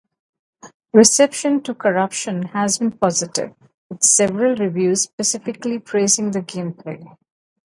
Reception to "Corruption" has been positive, with several reviews specifically praising the gameplay.